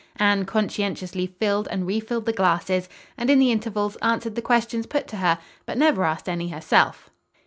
Anne conscientiously filled and refilled the glasses, and in the intervals answered the questions put to her; but never asked any herself.